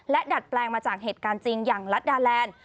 ดัดแปลงมาจากเหตุการณ์จริงอย่างรัฐดาแลนด์